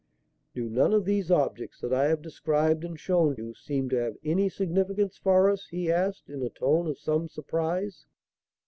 "Do none of these objects that I have described and shown you, seem to have any significance for us?" he asked, in a tone of some surprise.